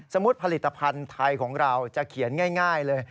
ผลิตภัณฑ์ไทยของเราจะเขียนง่ายเลย